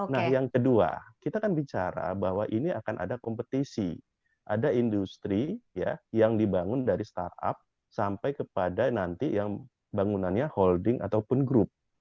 nah yang kedua kita kan bicara bahwa ini akan ada kompetisi ada industri yang dibangun dari startup sampai kepada nanti yang bangunannya holding ataupun grup